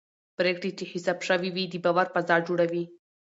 پرېکړې چې حساب شوي وي د باور فضا جوړوي